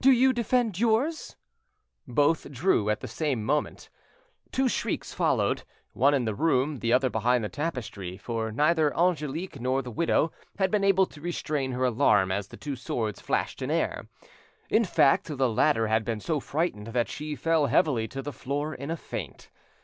"Do you defend yours!" Both drew at the same moment. Two shrieks followed, one in the room, the other behind the tapestry, for neither Angelique nor the widow had been able to restrain her alarm as the two swords flashed in air. In fact the latter had been so frightened that she fell heavily to the floor in a faint.